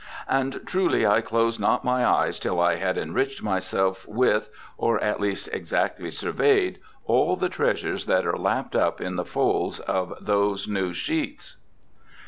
And truly I closed not my eyes till I had enricht myselfe with (or at least exactly surveyed) all the treasures that are lapt up in the folds of those new sheets.'